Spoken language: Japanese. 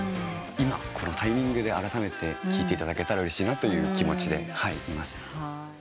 今このタイミングであらためて聴いていただけたらうれしいという気持ちでいます。